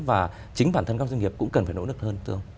và chính bản thân các doanh nghiệp cũng cần phải nỗ lực hơn